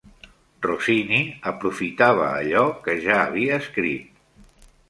Rossini aprofitava allò que ja havia escrit.